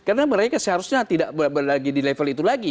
karena mereka seharusnya tidak lagi di level itu lagi